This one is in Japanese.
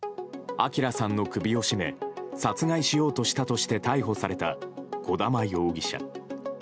昭さんの首を絞め殺害しようとしたとして逮捕された小玉容疑者。